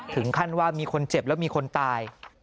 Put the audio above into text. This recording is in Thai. ถึงขั้นว่ามีคนเจ็บแล้วมีคนตาย